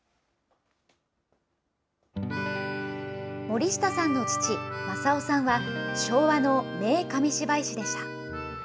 森下さんの父、正雄さんは、昭和の名紙芝居師でした。